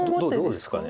どうですか？